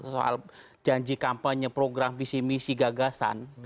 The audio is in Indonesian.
soal janji kampanye program visi misi gagasan